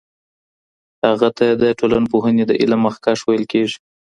هغه ته د ټولنپوهنې د علم مخکښ ویل کیږي.